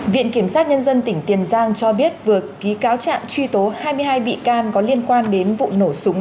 viện kiểm sát nhân dân tỉnh tiền giang cho biết vừa ký cáo trạng truy tố hai mươi hai bị can có liên quan đến vụ nổ súng